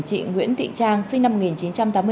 vịnh trang sinh năm một nghìn chín trăm tám mươi bốn